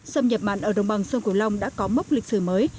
xâm nhập mặn ở đồng bằng sông cửu long đã có mốc lịch sử mới